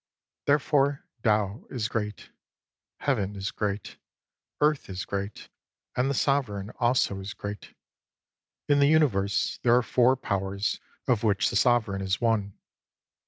Therefore Tao is great ; Heaven is great ; Earth .s great ; and the Sovereign also is great. In the Universe there are four powers, of which the Sovereign is one.